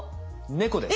猫です。